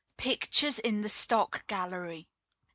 PICTURES IN THE STOCK GALLERY.